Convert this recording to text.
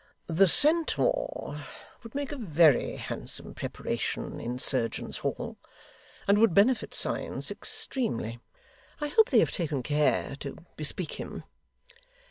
The centaur would make a very handsome preparation in Surgeons' Hall, and would benefit science extremely. I hope they have taken care to bespeak him.